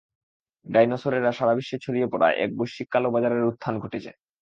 ডাইনোসরেরা সারাবিশ্বে ছড়িয়ে পড়ায়, এক বৈশ্বিক কালোবাজারের উত্থান ঘটেছে।